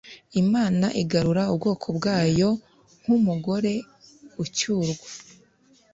imana igarura ubwoko bwayo nk umugore ucyurwa